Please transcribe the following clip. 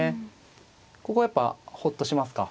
ここやっぱほっとしますか。